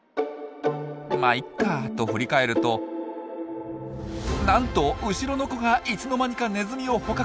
「まっいいか」と振り返るとなんと後ろの子がいつの間にかネズミを捕獲！